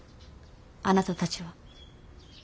あなたたちは。